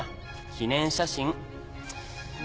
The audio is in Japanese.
記念写真。